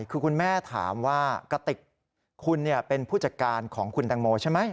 คือคุณแม่ถามว่ากติกคุณเป็นผู้จัดการของคุณตังโมใช่ไหม